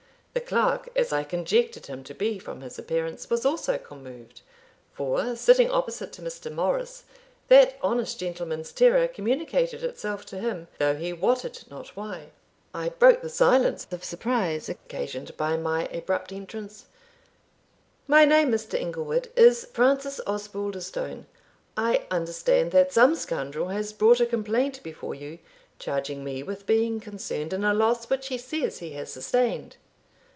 The clerk, as I conjectured him to be from his appearance, was also commoved; for, sitting opposite to Mr. Morris, that honest gentleman's terror communicated itself to him, though he wotted not why. [Illustration: Frank at Judge Inglewood's 104] I broke the silence of surprise occasioned by my abrupt entrance. "My name, Mr. Inglewood, is Francis Osbaldistone; I understand that some scoundrel has brought a complaint before you, charging me with being concerned in a loss which he says he has sustained."